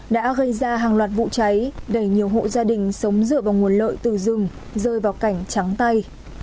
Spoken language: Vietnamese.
đã gây ra hàng loạt vụ cháy đẩy nhiều hộ gia đình sống dựa vào nguồn lợi từ rừng rơi vào cảnh trắng tay